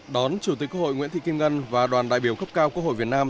đón chủ tịch quốc hội nguyễn thị kim ngân và đoàn đại biểu cấp cao quốc hội việt nam